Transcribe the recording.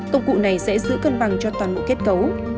công cụ này sẽ giữ cân bằng cho toàn bộ kết cấu